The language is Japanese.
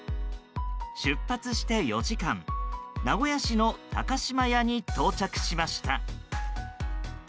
出発して４時間、名古屋市の高島屋に到着しました。